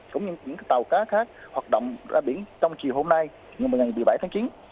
cũng như những tàu cá khác hoạt động ra biển trong chiều hôm nay ngày một mươi bảy tháng chín